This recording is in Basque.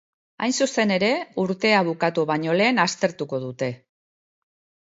Hain zuzen ere, urtea bukatu baino lehen aztertuko dute.